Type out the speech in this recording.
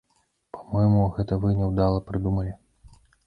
Па-мойму, гэта вы няўдала прыдумалі.